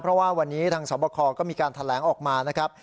เพราะว่าวันนี้ทางสวบคก็มีการแถลงออกมานะครับ